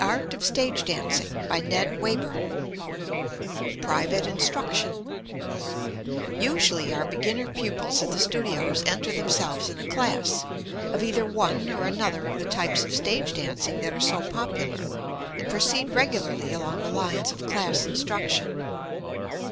WAYBURN (AT WINDOW)] PRIVATE INSTRUCTION Usually our beginner pupils at the studios enter themselves in a class, of either one or another of the types of stage dancing that are so popular, and proceed regularly along the lines of class instruction.